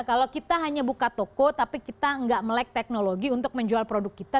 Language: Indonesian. kalau kita hanya buka toko tapi kita nggak melek teknologi untuk menjual produk kita